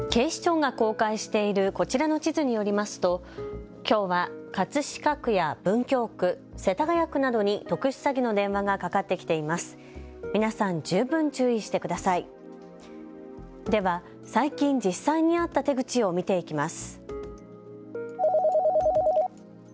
警視庁が公開しているこちらの地図によりますときょうは葛飾区や文京区、世田谷区などに特殊詐欺の電話がかかってきています。